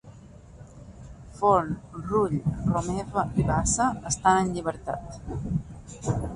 Forn, Rull, Romeva i Bassa estan en llibertat